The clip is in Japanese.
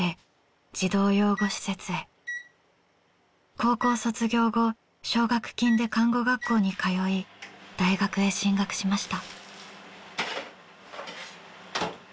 高校卒業後奨学金で看護学校に通い大学へ進学しました。